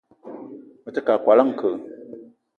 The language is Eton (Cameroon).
Me te keu a koala nke.